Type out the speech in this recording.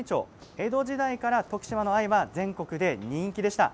江戸時代から徳島の藍が全国で人気でした。